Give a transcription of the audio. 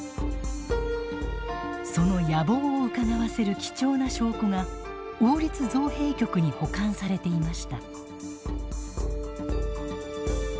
その野望をうかがわせる貴重な証拠が王立造幣局に保管されていました。